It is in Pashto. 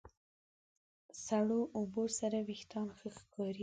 سړو اوبو سره وېښتيان ښه ښکاري.